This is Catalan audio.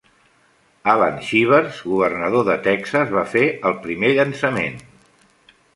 Allan Shivers, governador de Texas, va fer el primer llançament.